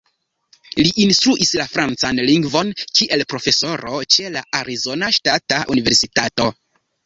Li instruis la francan lingvon kiel profesoro ĉe la Arizona Ŝtata Universitato.